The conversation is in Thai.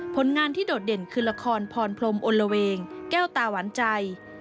ผลงานที่โดดเด่นคือละครพรพรมอลละเวงแก้วตาหวานใจ